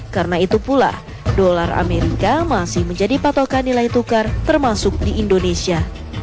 karena itu pula dolar amerika masih menjadi patokan nilai tukar termasuk di indonesia